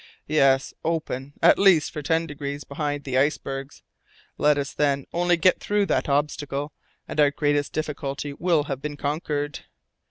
"Yes, open at least, for ten degrees behind the icebergs. Let us then only get through that obstacle, and our greatest difficulty will have been conquered.